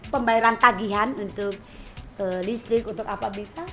pembayaran tagihan untuk listrik untuk apa bisa